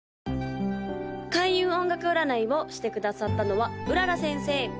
・開運音楽占いをしてくださったのは麗先生